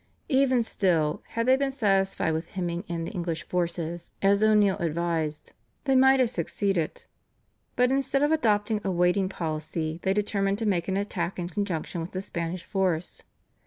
Even still, had they been satisfied with hemming in the English forces, as O'Neill advised, they might have succeeded, but instead of adopting a waiting policy, they determined to make an attack in conjunction with the Spanish force.